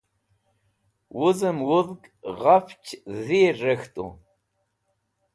wuz'em wudg ghafch dir rek̃htu